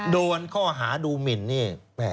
โดนข้อหาดูหมินนี่